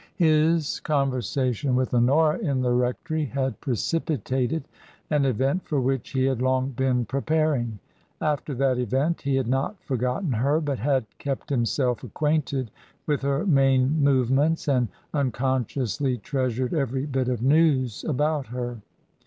His conversation with Honora in the rectory had precipitated an event for which he had long been prepar ing. After that event he had not forgotten her, but had kept himself acquainted with her main movements, and unconsciously treasured every bit of news about her.